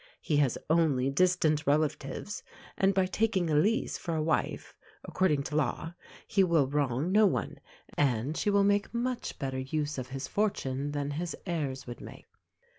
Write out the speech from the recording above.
He has only distant relatives, and by taking Elise for a wife (according to law) he will wrong no one, and she will make much better use of his fortune than his heirs would make.